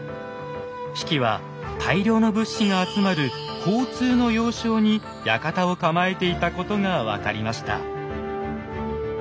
比企は大量の物資が集まる交通の要衝に館を構えていたことが分かりました。